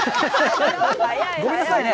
ごめんなさいね。